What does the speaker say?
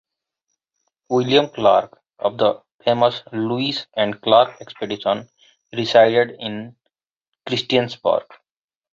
William Clark, of the famous Lewis and Clark Expedition, resided in Christiansburg.